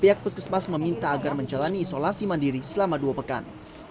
pihak puskesmas meminta agar menjalani isolasi mandiri selama dua pekan